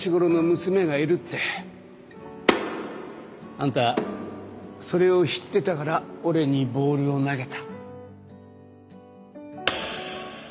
あんたそれを知ってたから俺にボールを投げた。